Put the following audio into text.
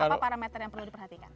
apa parameter yang perlu diperhatikan